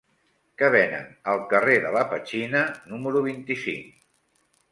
Què venen al carrer de la Petxina número vint-i-cinc?